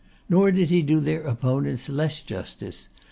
Nor did he do their opponents less justice.